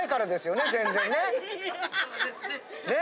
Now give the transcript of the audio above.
ねえ？